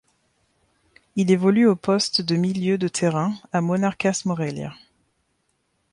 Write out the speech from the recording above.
Il évolue au poste de milieu de terrain à Monarcas Morelia.